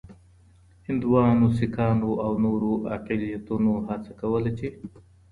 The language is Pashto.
هندوانو، سیکانو او نورو اقليتونو هڅه کوله، چي